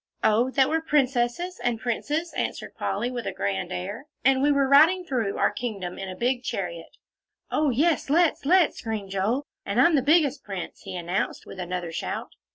"Oh, that we were princesses and princes," answered Polly, with a grand air, "and we were riding through our kingdom in a big chariot." "Oh, yes, let's let's!" screamed Joel, "and I'm the biggest prince," he announced, with another shout.